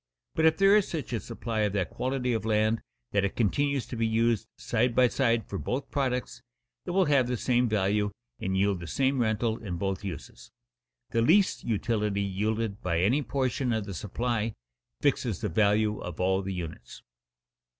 But if there is such a supply of that quality of land that it continues to be used side by side for both products, it will have the same value and yield the same rental in both uses. The least utility yielded by any portion of the supply fixes the value of all the units.